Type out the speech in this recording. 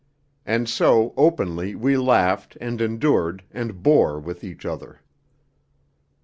And so openly we laughed and endured and bore with each other.